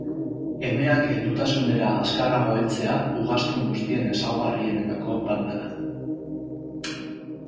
Emeak heldutasunera azkarrago heltzea ugaztun guztien ezaugarrienetako bat da.